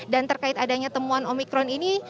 dan terkait adanya temuan omikron ini